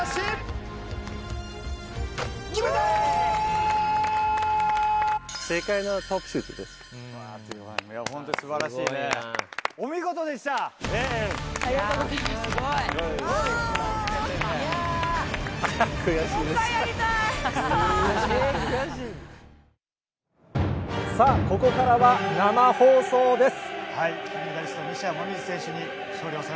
あー、さあ、ここからは生放送です。